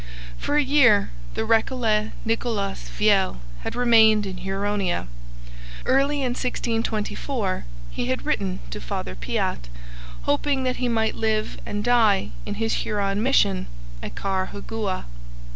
For a year the Recollet Nicolas Viel had remained in Huronia. Early in 1624 he had written to Father Piat hoping that he might live and die in his Huron mission at Carhagouha.